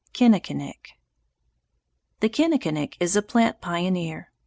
Kinnikinick The kinnikinick is a plant pioneer.